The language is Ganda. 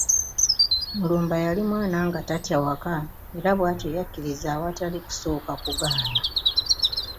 Mulumba yali mwana nga tatya waka era bwatyo yakkiriza awatali kusooka kugaana.